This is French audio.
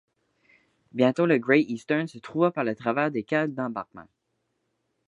Bientôt le Great-Eastern se trouva par le travers des cales d’embarquement.